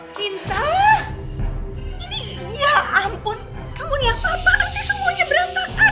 kinta ini ya ampun kamu ni apa apaan sih semuanya berantakan